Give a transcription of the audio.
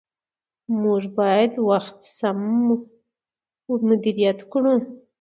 موږ باید وخت سم مدیریت کړو